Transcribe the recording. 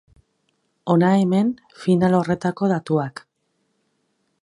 Hona hemen final horretako datuak.